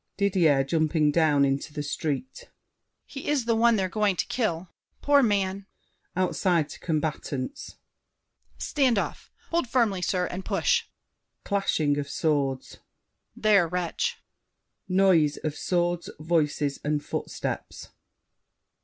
DIDIER (jumping down into the street). He is the one they're going to kill! Poor man! [Outside, to combatants. Stand off! Hold firmly, sir, and push! [Clashing of swords. There, wretch! [Noise of swords, voices, and footsteps.